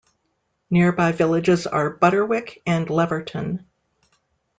Nearby villages are Butterwick and Leverton.